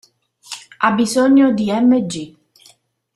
Ha bisogno di Mg.